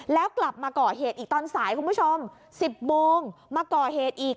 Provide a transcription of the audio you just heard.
แล้วกลับมาก่อเหตุอีกตอนสายคุณผู้ชม๑๐โมงมาก่อเหตุอีก